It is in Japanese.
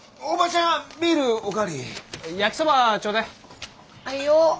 はいよ！